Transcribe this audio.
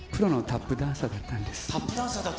タップダンサーだったんですね？